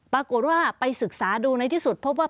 ปรากฏว่าไปศึกษาดูในที่สุดพบว่า